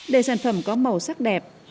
để sản phẩm có màu sắc đẹp